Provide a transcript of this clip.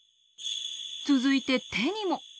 続いて手にも。